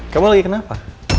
kamu lagi kenapa